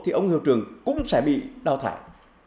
thì ông hiệu trưởng cũng sẽ bị đào thải